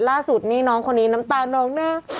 ล่าสุดนี่น้องคนนี้น้ำตาน้องแน่